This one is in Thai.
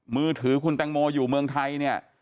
มือถือคุณแตงโมอยู่เมืองไทยเนี่ย